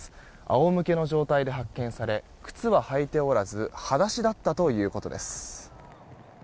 あおむけの状態で発見され靴は履いておらず裸足だったということです。